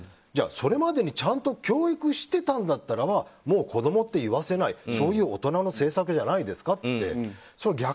じゃあそれまでにちゃんと教育してたんだったらもう子供って言わせないそういう大人の政策じゃないですかっていう。